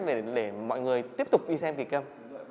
để mọi người tiếp tục đi xem kịch câm